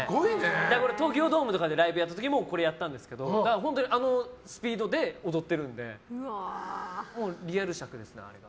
東京ドームとかでライブやった時もこれやったんですけど本当に、あのスピードで踊ってるのでリアル尺ですね、あれが。